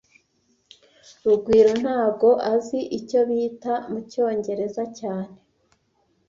Rugwiro ntago azi icyo bita mucyongereza cyane